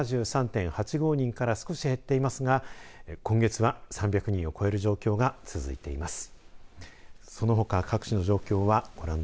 人から少し減っていますが今月は３００人を超える状況が続いています。